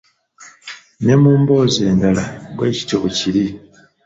Ne mu mboozi endala bwe kityo bwe kiri